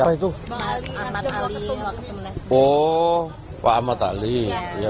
mas gibran hanya mengaminis